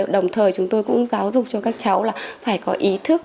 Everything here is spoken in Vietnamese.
đồng thời chúng tôi cũng giáo dục cho các cháu là phải có ý thức